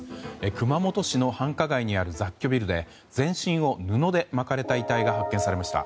熊本市の繁華街にある雑居ビルで全身を布で巻かれた遺体が発見されました。